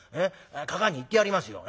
かかあに言ってやりますよ」。